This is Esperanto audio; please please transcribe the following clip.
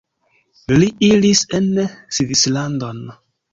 Li iris en Svislandon.